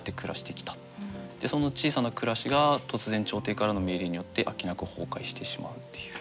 その小さな暮らしが突然朝廷からの命令によってあっけなく崩壊してしまうっていう。